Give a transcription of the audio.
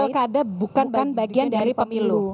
pilkada bukan kan bagian dari pemilu